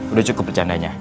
udah cukup percandanya